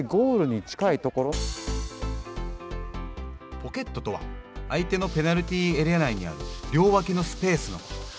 ポケットとは、相手のペナルティーエリア内にある両脇のスペースのこと。